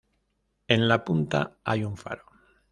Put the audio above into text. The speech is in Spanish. En la punta hay un faro.